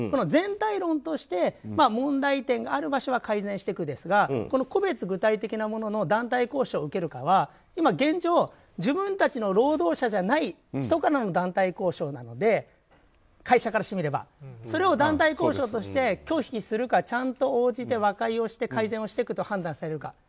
全体論として問題点がある場所は改善していくんですが個別具体的なものの団体交渉を受けるかは現状、自分たちの労働者じゃない人からの団体交渉なので会社からしてみればそれを団体交渉として拒否するかちゃんと応じて和解をして改善をしていくと判断されるか。